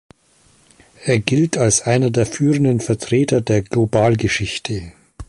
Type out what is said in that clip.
Er gilt als einer der führenden Vertreter der Globalgeschichte.